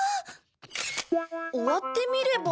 終わってみれば。